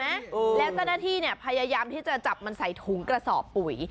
แล้วเจ้าหน้าที่เนี่ยพยายามที่จะจับมันใส่ถุงกระสอบปุ๋ย